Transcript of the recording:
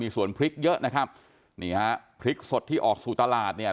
ส่วนพริกเยอะนะครับนี่ฮะพริกสดที่ออกสู่ตลาดเนี่ย